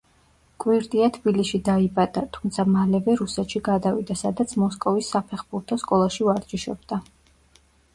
კვირტია თბილისში დაიბადა, თუმცა მალევე რუსეთში გადავიდა, სადაც მოსკოვის საფეხბურთო სკოლაში ვარჯიშობდა.